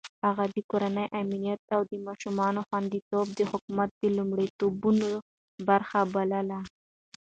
هغه د کورنۍ امنيت او د ماشومانو خونديتوب د حکومت د لومړيتوبونو برخه بلله.